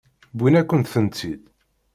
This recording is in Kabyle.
Wwin-akent-tent-id.